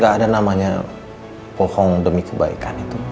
gak ada namanya bohong demi kebaikan itu